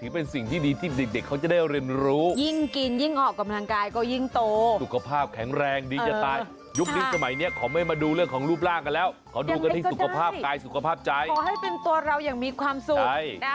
ไปดูเรื่องนี้กันหน่อยเจ้าหนูน้อยเขาเนี่ยโตมาเนี่ย